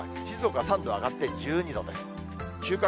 静岡、３度上がって１２度です。